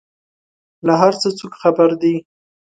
له هر څه څوک خبر دي؟